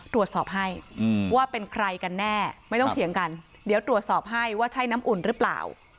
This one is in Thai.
ตรวจสอบให้ว่าเป็นใครกันแน่ไม่ต้องเถียงกันเดี๋ยวตรวจสอบให้ว่าใช่น้ำอุ่นหรือเปล่า